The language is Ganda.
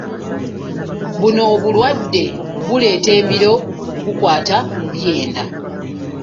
Buno obulwadde buleeta embiro bukwata mu byenda.